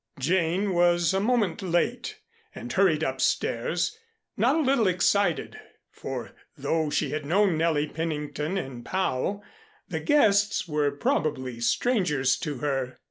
Jane was a moment late and hurried upstairs not a little excited, for though she had known Nellie Pennington in Pau, the guests were probably strangers to her.